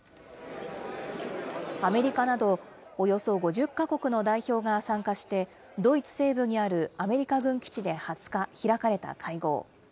アメリカなどおよそ５０か国の代表が参加して、ドイツ西部にあるアメリカ軍基地で２０日、開かれた会合。